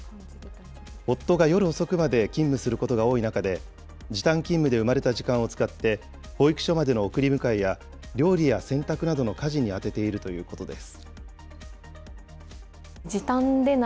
夫が夜遅くまで勤務することが多い中で、時短勤務で生まれた時間を使って、保育所までの送り迎えや、料理や洗濯などの家事に充てているということです。